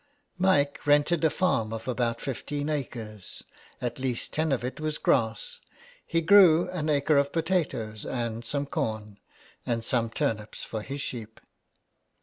Mike rented a farm of about fifteen acres, at least ten of it was grass ; he grew an acre of potatoes and some corn, and some turnips for his sheep.